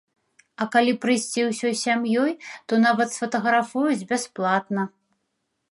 А калі прыйсці ўсёй сям'ёй, то нават сфатаграфуюць бясплатна.